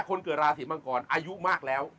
คนเกิดราศีมังกรอายุมากแล้ว